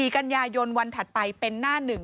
๔กัญญายนวันถัดไปเป็นหน้าหนึ่ง